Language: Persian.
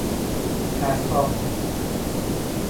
فسا